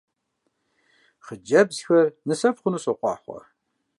Хъыджэбзхэр нысэфӀ хъуну сохъуахъуэ!